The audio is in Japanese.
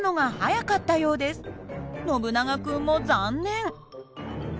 ノブナガ君も残念。